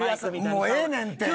もうええねんて！